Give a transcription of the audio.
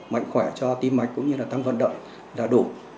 mạnh khỏe cho tim mạch cũng như là tăng vận động là đủ